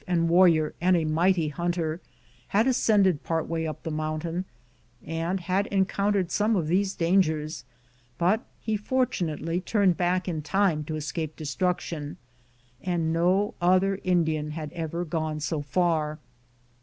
1870 and warrior, and a mighty hunter, had ascended part way up the mountain, and had encountered some of these dangers, but he fortunately turned back in time to escape destruction ; and no other Indian had ever gone so far.